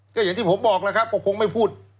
ก็อย่างที่ผมบอกแล้วครับก็คงไม่พูด